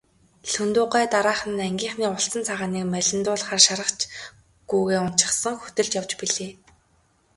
Лхүндэв гуай дараахан нь ангийнхаа улцан цагааныг малиндуулахаар шаргач гүүгээ уначихсан хөтөлж явж билээ.